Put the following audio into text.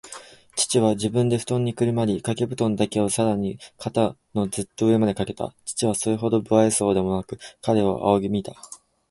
父は自分でふとんにくるまり、かけぶとんだけをさらに肩のずっと上までかけた。父はそれほど無愛想そうにでもなく、彼を仰ぎ見た。